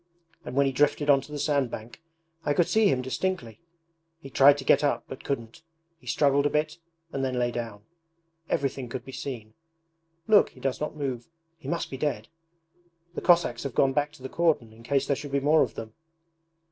And when he drifted onto the sand bank I could see him distinctly: he tried to get up but couldn't. He struggled a bit and then lay down. Everything could be seen. Look, he does not move he must be dead! The Cossacks have gone back to the cordon in case there should be any more of them.'